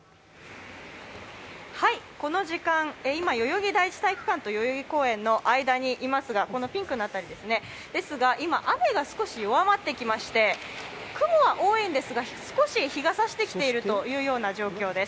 この時間、今、代々木第１体育館と代々木公園の間にいますがこのピンクの辺りですが、雨が今、少し弱まってきまして雲は多いんですが少し日がさしてきている状況です。